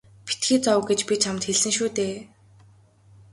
Битгий зов гэж би чамд хэлсэн шүү дээ.